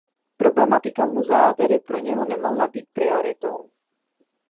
Problematika muzea tedy pro něho nemohla být prioritou.